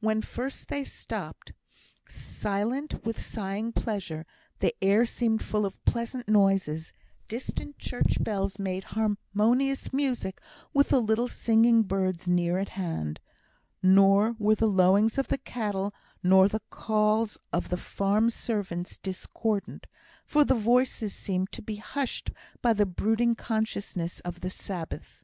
When first they stopped, silent with sighing pleasure, the air seemed full of pleasant noises; distant church bells made harmonious music with the little singing birds near at hand; nor were the lowings of the cattle, nor the calls of the farm servants discordant, for the voices seemed to be hushed by the brooding consciousness of the Sabbath.